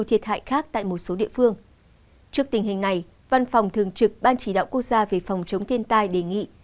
trước tình hình này văn phòng thường trực ban chỉ đạo quốc gia về phòng chống thiên tai đề nghị